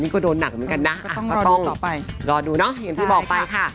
ก็ต้องรอดูต่อไป